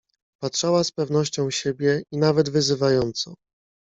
"Patrzała z pewnością siebie i nawet wyzywająco."